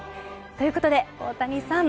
ということで大谷さん